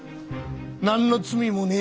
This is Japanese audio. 何の罪もね